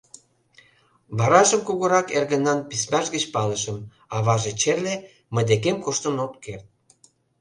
Варажым кугурак эргынан письмаж гыч палышым: аваже черле, мый декем коштын ок керт.